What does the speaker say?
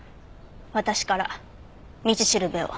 私から道しるべを。